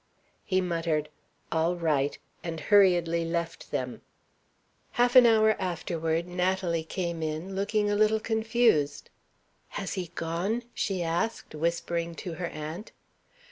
He muttered, "All right" and hurriedly left them. Half an hour afterward Natalie came in, looking a little confused. "Has he gone?" she asked, whispering to her aunt.